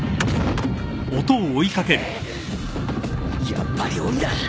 やっぱり鬼だ！